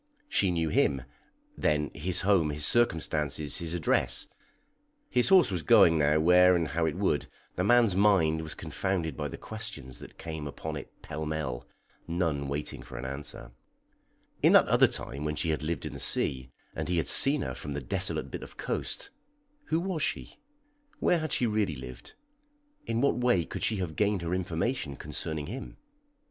She knew him, then his home, his circumstances, his address. (His horse was going now where and how it would; the man's mind was confounded by the questions that came upon it pell mell, none waiting for an answer.) In that other time when she had lived in the sea, and he had seen her from the desolate bit of coast, who was she? Where had she really lived? In what way could she have gained her information concerning him?